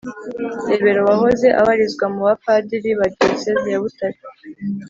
rebero wahoze abarizwa mu bapadiri ba diyoseze ya butare,